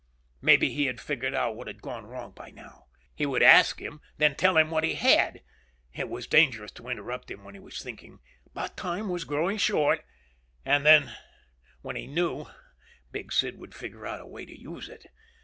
Maybe he had figured out what had gone wrong by now. He would ask him, then tell him what he had. It was dangerous to interrupt him when he was thinking. But time was growing short. And then when he knew, Big Sid would figure out a way to use it.